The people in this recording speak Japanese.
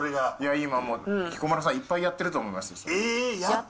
今、彦摩呂さん、いっぱいやってると思いますよ。